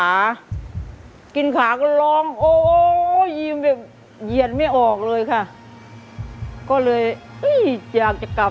ออกมาก็เป็นห่วงน้องพอยไหมครับ